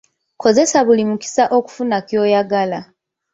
Kozesa buli mukisa okufuna ky'oyagala.